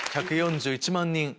１４１万人